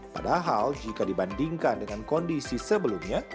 padahal jika dibandingkan dengan kondisi sebelumnya